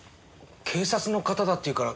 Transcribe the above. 警察の方だって言うからてっきり。